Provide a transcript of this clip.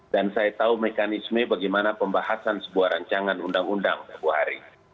dan saya tahu mekanisme bagaimana pembahasan sebuah rancangan undang undang pak bu hari